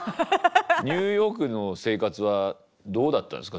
ニューヨークの生活はどうだったんですか？